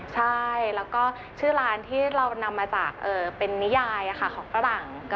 ใช่แล้วก็ชื่อร้านที่เรานำมาจากเป็นนิยายของฝรั่ง